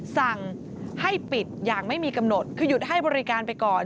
สั่งให้ปิดอย่างไม่มีกำหนดคือหยุดให้บริการไปก่อน